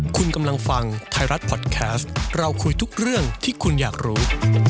คุณกำลังฟังไทยรัฐพอดแคสต์เราคุยทุกเรื่องที่คุณอยากรู้